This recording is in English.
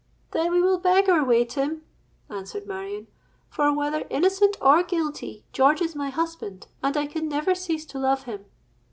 '—'Then we will beg our way, Tim,' answered Marion; 'for, whether innocent or guilty, George is my husband, and I can never cease to love him.'